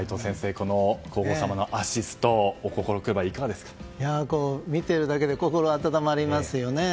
この皇后さまのアシスト見ているだけで心温まりますよね。